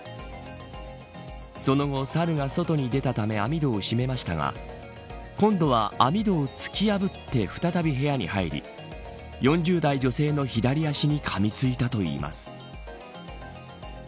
その後、サルが外に出たため網戸を閉めましたが今度は網戸を突き破って再び部屋に入り４０代女性の左足にかみついたといいます。